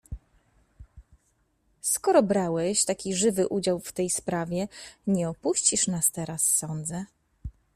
"Skoro brałeś taki żywy udział w tej sprawie, nie opuścisz nas teraz, sądzę."